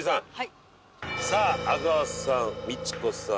さあ阿川さんミチコさん